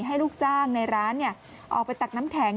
ลูกจ้างในร้านออกไปตักน้ำแข็ง